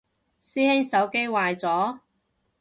師兄手機壞咗？